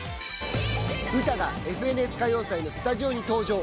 ウタが「ＦＮＳ歌謡祭」のスタジオに登場。